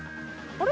あれ？